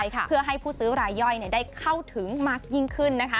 เพื่อให้ผู้ซื้อรายย่อยได้เข้าถึงมากยิ่งขึ้น